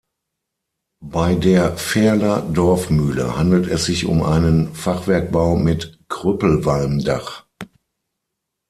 Bei der "Verler Dorfmühle" handelt es sich um einen Fachwerkbau mit Krüppelwalmdach.